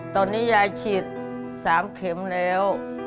ตอนนี้ยายฉีด๓เข็มแล้ว